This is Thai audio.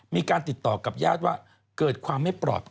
มีการติดต่อกับญาติว่าเกิดความไม่ปลอดภัย